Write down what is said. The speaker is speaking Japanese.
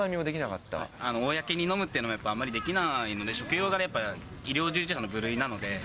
公に飲むというのがあまりできないので、職業柄、医療従事者の部類なので。